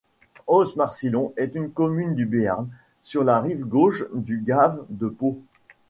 Os-Marsillon est une commune du Béarn, sur la rive gauche du gave de Pau.